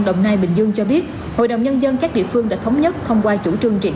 đồng nai bình dương cho biết hội đồng nhân dân các địa phương đã thống nhất thông qua chủ trương triển